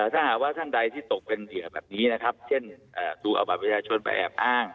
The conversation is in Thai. ถ้าหากว่าท่านใดที่ตกเป็นเหยื่อแบบนี้นะครับเช่นถูกเอาบัตรประชาชนไปแอบอ้าง